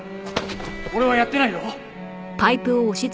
俺はやってないよ！